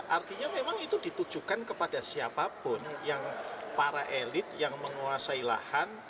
artinya memang itu ditujukan kepada siapapun yang para elit yang menguasai lahan